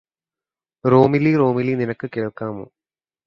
റോമിലീ റോമിലീ നിനക്ക് കേള്ക്കാമോ